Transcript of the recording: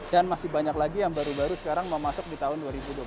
dan masih banyak lagi yang baru baru sekarang mau masuk di tahun dua ribu dua puluh tiga